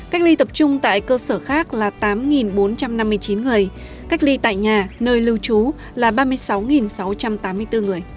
cách ly tập trung tại cơ sở khác là tám bốn trăm năm mươi chín người cách ly tại nhà nơi lưu trú là ba mươi sáu sáu trăm tám mươi bốn người